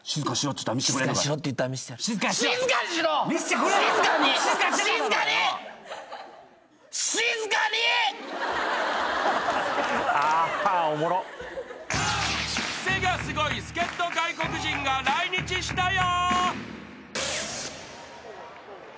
［クセがスゴい助っ人外国人が来日したよ］